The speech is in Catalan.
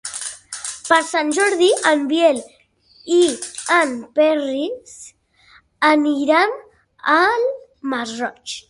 Per Sant Jordi en Biel i en Peris aniran al Masroig.